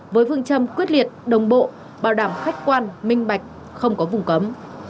với phương châm quyết liệt đồng bộ bảo đảm khách quan minh bạch không có vùng cấm